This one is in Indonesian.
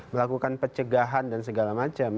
melakukan pencegahan dan segala macam